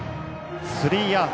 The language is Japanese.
スリーアウト。